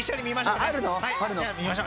見ましょ。